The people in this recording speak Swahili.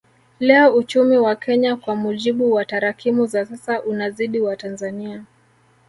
Leo uchumi wa Kenya kwa mujibu wa tarakimu za sasa unazidi wa Tanzania